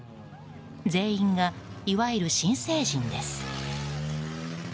全員がいわゆる新成人です。